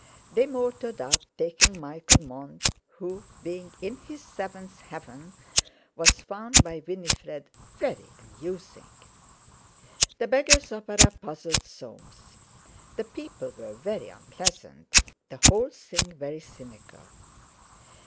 They motored up, taking Michael Mont, who, being in his seventh heaven, was found by Winifred "very amusing." "The Beggar's Opera" puzzled Soames. The people were very unpleasant, the whole thing very cynical.